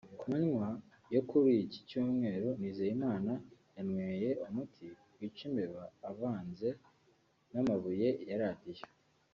Ku manywa yo kuri iki Cyumweru Nizeyimana yanyweye umuti wica imbeba uvanze n’amabuye ya radiyo